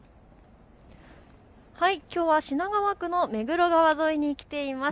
きょうは品川区の目黒川沿いに来ています。